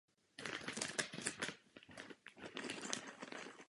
Například nedávno jsme toto využili pro jednu dálnici v Řecku.